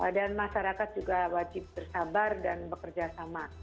dan masyarakat juga wajib bersabar dan bekerjasama